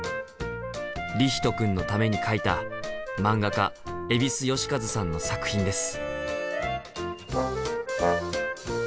リヒトくんのために描いた漫画家蛭子能収さんの作品です。